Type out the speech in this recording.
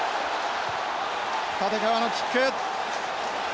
立川のキック。